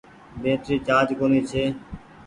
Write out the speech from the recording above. بيٽري چآرج ڪونيٚ ڇي۔